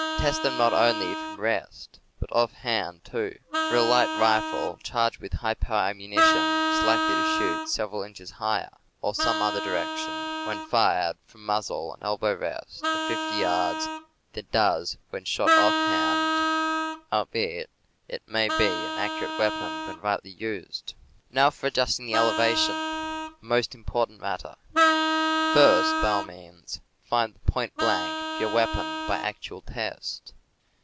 Test them not only from rest, but offhand, too; for a light rifle charged with high power ammunition is likely to shoot several inches higher (or in some other direction) when fired from muzzle and elbow rest, at 50 yards, than it does when shot offhand, albeit it may be an accurate weapon when rightly used. Now, as for adjusting the elevation — a most impor tant matter — first, by all means, find the "point blank" of your weapon by actual test.